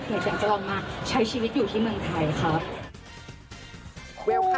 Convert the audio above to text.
น่ารักจังหรอ